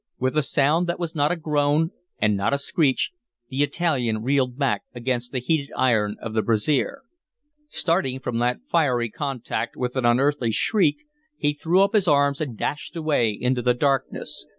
With a sound that was not a groan and not a screech, the Italian reeled back against the heated iron of the brazier. Starting from that fiery contact with an unearthly shriek, he threw up his arms and dashed away into the darkness.